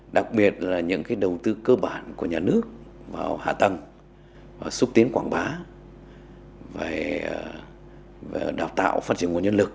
đặc biệt là những đầu tư cơ bản của nhà nước vào hạ tầng xúc tiến quảng bá về đào tạo phát triển nguồn nhân lực